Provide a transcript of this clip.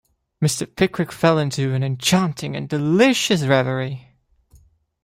Mr. Pickwick fell into an enchanting and delicious reverie.